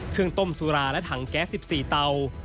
เครื่องต้มสุราและถังแก๊ส๑๔เตา